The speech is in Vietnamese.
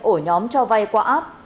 ổ nhóm cho vay qua áp